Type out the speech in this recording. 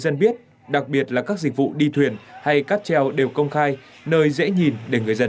dân biết đặc biệt là các dịch vụ đi thuyền hay cáp treo đều công khai nơi dễ nhìn để người dân